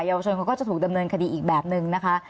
ยาวชนเขาก็จะถูกดำเนินคดีอีกแบบนึงนะคะ